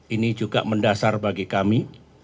ini juga mendasar bagi kami